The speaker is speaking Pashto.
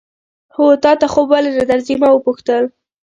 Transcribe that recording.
هو، تا ته خوب ولې نه درځي؟ ما وپوښتل.